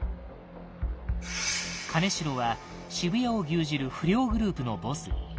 金城は渋谷を牛耳る不良グループのボス。